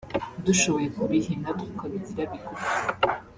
dushoboye kubihina tukabigira bigufi